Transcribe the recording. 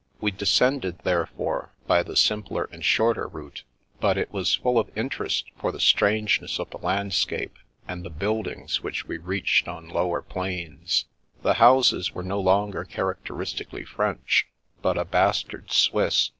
We de scended, therefore, by the simpler and shorter route, but it was full of interest for the strangeness of the landscape, and the buildings which we reached on lower planes. The houses were no longer characteristically French, but a bastard Swiss.